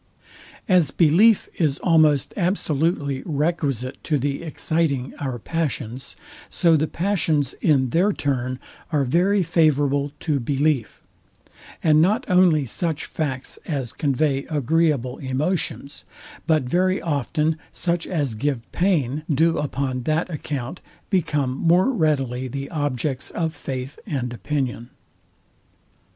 As belief is almost absolutely requisite to the exciting our passions, so the passions in their turn are very favourable to belief; and not only such facts as convey agreeable emotions, but very often such as give pain, do upon that account become more readily the objects of faith and opinion.